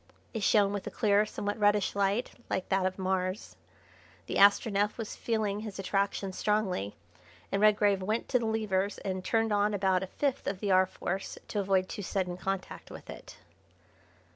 It shone with a clear, somewhat reddish light like that of Mars. The Astronef was feeling his attraction strongly, and Redgrave went to the levers and turned on about a fifth of the R. Force to avoid too sudden contact with it.